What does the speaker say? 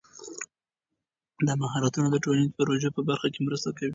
دا مهارتونه د ټولنیزو پروژو په برخه کې مرسته کوي.